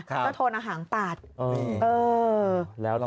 เจ้าโทนเอาหางปาดเออ